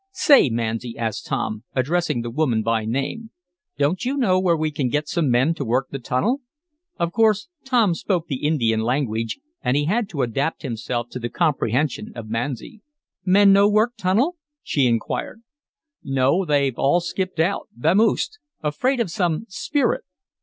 "Say, Masni," asked Tom, addressing the woman by name, "don't you know where we can get some men to work the tunnel?" Of course Tom spoke the Indian language, and he had to adapt himself to the comprehension of Masni. "Men no work tunnel?" she inquired. "No, they've all skipped out vamoosed. Afraid of some spirit."